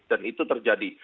dan itu terjadi